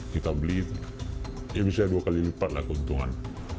kita beli ya bisa dua kali lipat lah keuntungan